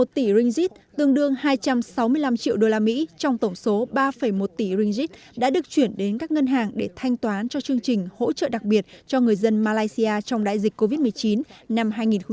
một tỷ ringgit tương đương hai trăm sáu mươi năm triệu usd trong tổng số ba một tỷ ringgit đã được chuyển đến các ngân hàng để thanh toán cho chương trình hỗ trợ đặc biệt cho người dân malaysia trong đại dịch covid một mươi chín năm hai nghìn hai mươi